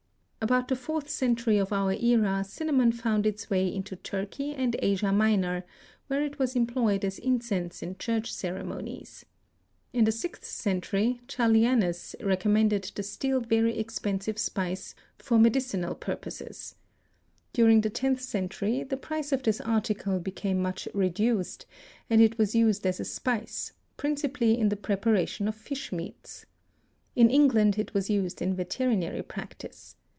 About the fourth century of our era cinnamon found its way into Turkey and Asia Minor, where it was employed as incense in church ceremonies. In the sixth century Trallianus recommended the still very expensive spice for medicinal purposes. During the tenth century the price of this article became much reduced and it was used as a spice, principally in the preparation of fish meats. In England it was used in veterinary practice.